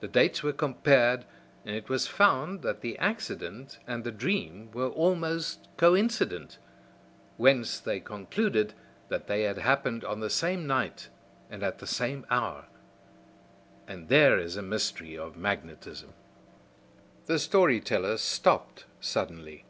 The dates were compared, and it was found that the accident and the dream were almost coincident, whence they concluded that they had happened on the same night and at the same hour. And there is a mystery of magnetism." The story teller stopped suddenly.